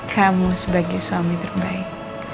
kamu sebagai suami terbaik